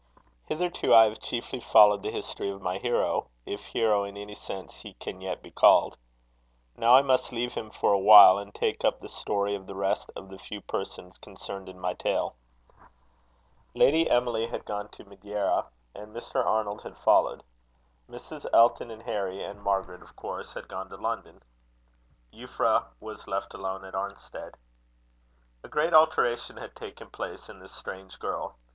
Hitherto I have chiefly followed the history of my hero, if hero in any sense he can yet be called. Now I must leave him for a while, and take up the story of the rest of the few persons concerned in my tale. Lady Emily had gone to Madeira, and Mr. Arnold had followed. Mrs. Elton and Harry, and Margaret, of course, had gone to London. Euphra was left alone at Arnstead. A great alteration had taken place in this strange girl.